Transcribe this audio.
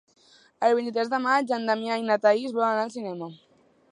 El vint-i-tres de maig en Damià i na Thaís volen anar al cinema.